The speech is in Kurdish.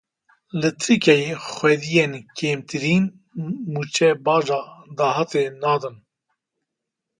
Li Tirkiyeyê xwediyên kêmtirîn mûçe baca dahatê nadin.